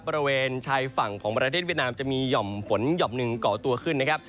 บริเวณชายฝั่งของประเทศเวียดนามจะมีห่อมฝนหย่อมหนึ่งก่อตัวขึ้นนะครับ